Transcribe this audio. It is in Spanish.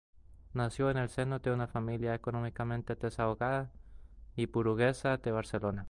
Nació en el seno de una familia económicamente desahogada y burguesa de Barcelona.